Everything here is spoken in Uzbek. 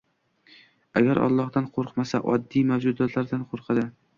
Agar Allohdan qo‘rqmasa, oddiy mavjudotlardan qo‘rqadi.